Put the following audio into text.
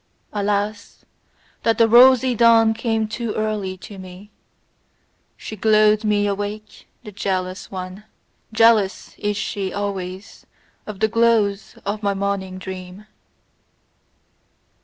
Alas, that the rosy dawn came too early to me: she glowed me awake, the jealous one! Jealous is she always of the glows of my morning dream.